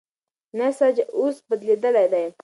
نسج اوس بدلېدلی دی.